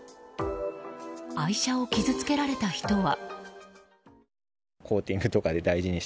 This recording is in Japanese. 愛車を傷つけられた人は。